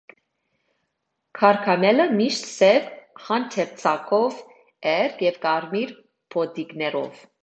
Գարգամելը միշտ սև հանդերձանքով էր և կարմիր բոտիկներով։